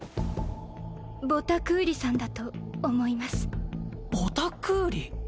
ボタクーリさんだと思いますボタクーリ？